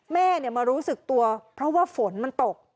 แม่มารู้สึกตัวเพราะว่าฝนมันตก